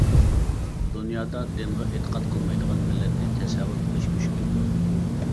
دۇنيادا دىنغا ئېتىقاد قىلمايدىغان مىللەتنى تەسەۋۋۇر قىلىش مۈشكۈلدۇر.